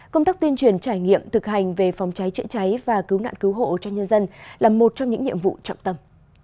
công tác tuyên truyền trải nghiệm thực hành về phòng cháy chữa cháy và cứu nạn cứu hộ cho nhân dân là một trong những nhiệm vụ trọng tâm